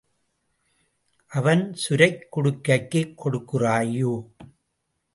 அவன் சுரைக் குடுக்கைக்குக் கொடுக்கிறாயோ?